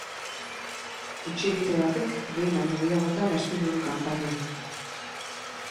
Hutsegite batek behin baino gehiagotan astindu du kanpaina.